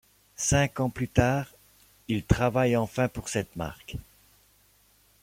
Cinq ans plus tard, il travaille enfin pour cette marque.